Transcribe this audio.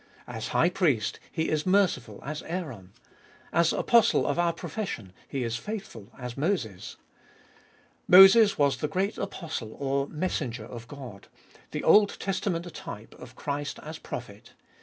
As High Priest He is merciful as Aaron ; as Apostle of our profession He is faithful as Moses. Moses was the great apostle or messenger of God, the Old Testament type of Christ as prophet.